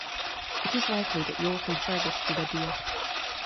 It is likely that York and Fergus did a deal.